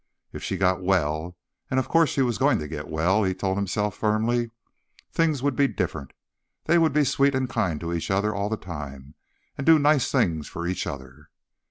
If she got well—and of course she was going to get well, he told himself firmly—things would be different. They'd be sweet and kind to each other all the time, and do nice things for each other.